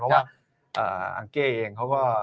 เพราะว่าอังเก้เองเขาก็